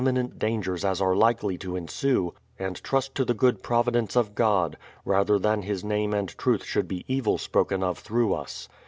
minent dangers as are likely to ensue, and trust to the good providence of God, rather than His name and truth should be evil spoken of through us.